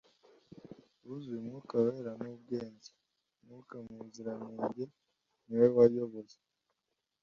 buzuye Umwuka Wera n’ Ubwenge » Mwuka Muziranenge ni we wayoboye